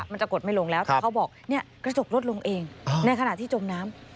จะกดไม่ลงแล้วแต่เขาบอกเนี่ยกระจกลดลงเองในขณะที่จมน้ำ